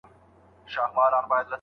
ته دوست پیدا که، دښمن پخپله پیدا کیږي.